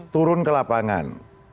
turun ke lapangan